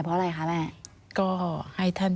ก็ให้ท่านช่วยเหลือหน่อย